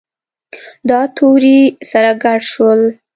دا توري سره ګډ شول.